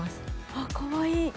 あかわいい。